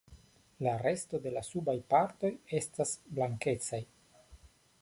La resto de la subaj partoj estas blankecaj.